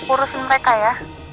urusin mereka ya